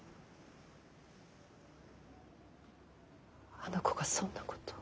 あの子がそんなことを。